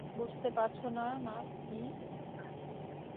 বুঝতে পারছো না না-কি?